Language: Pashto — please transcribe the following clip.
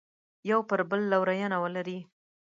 یو پر بل لورینه ولري.